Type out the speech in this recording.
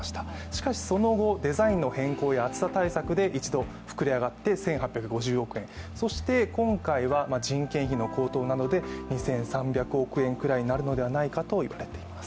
しかし、その後、デザインの変更や暑さ対策で一度膨れ上がって、１８５０億円、１８５０億円、そして今回は人件費の高騰などで２３００億円ぐらいになるのではないかといわれています。